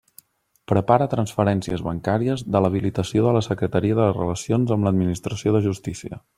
Prepara transferències bancàries de l'habilitació de la Secretaria de Relacions amb l'Administració de Justícia.